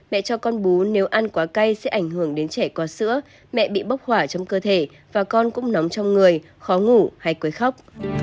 mẹ cho con bú nếu ăn quá cay sẽ ảnh hưởng đến trẻ có sữa mẹ bị bốc hỏa trong cơ thể và con cũng nóng trong người khó ngủ hay quấy khóc